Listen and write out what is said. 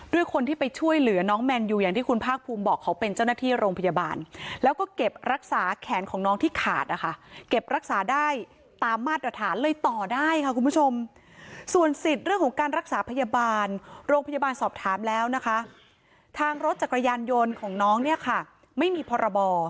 คนที่ไปช่วยเหลือน้องแมนยูอย่างที่คุณภาคภูมิบอกเขาเป็นเจ้าหน้าที่โรงพยาบาลแล้วก็เก็บรักษาแขนของน้องที่ขาดนะคะเก็บรักษาได้ตามมาตรฐานเลยต่อได้ค่ะคุณผู้ชมส่วนสิทธิ์เรื่องของการรักษาพยาบาลโรงพยาบาลสอบถามแล้วนะคะทางรถจักรยานยนต์ของน้องเนี่ยค่ะไม่มีพรบ